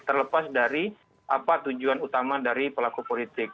terlepas dari apa tujuan utama dari pelaku politik